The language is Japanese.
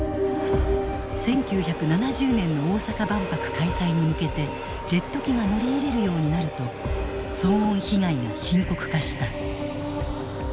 １９７０年の大阪万博開催に向けてジェット機が乗り入れるようになると騒音被害が深刻化した。